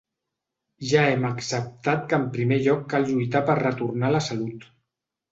Ja hem acceptat que en primer lloc cal lluitar per retornar la salut.